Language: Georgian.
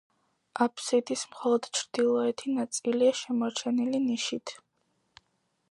აბსიდის მხოლოდ ჩრდილოეთი ნაწილია შემორჩენილი ნიშით.